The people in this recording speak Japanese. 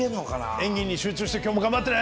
演技に集中して今日も頑張ってね。